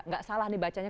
nggak salah nih bacanya